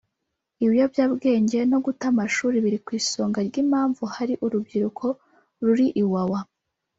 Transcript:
Ibiyobyabwenge no guta amashuri biri ku isonga ry’impamvu hari urubyiruko ruri Iwawa